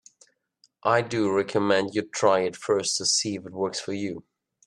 I do recommend you try it first to see if it works for you.